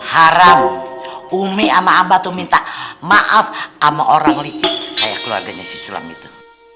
haram umi sama abah tuh minta maaf sama orang licik kayak keluarganya si sulam itu